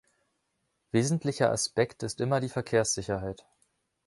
Wesentlicher Aspekt ist immer die Verkehrssicherheit.